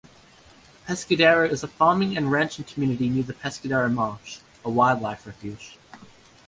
Pescadero is a farming and ranching community near the Pescadero Marsh, a wildlife refuge.